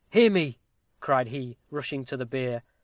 Hear me!" cried he, rushing to the bier.